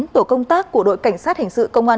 tổ công tác của đội cảnh sát hình sự công an